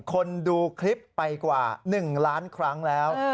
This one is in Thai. คนดูคลิปไปกว่า๑ล้านครั้งแล้ว